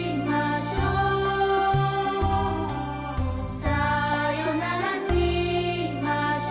「さよならしましょ。」